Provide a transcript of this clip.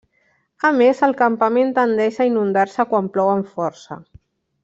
A més, el campament tendeix a inundar-se quan plou amb força.